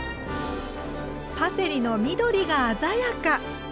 パセリの緑が鮮やか！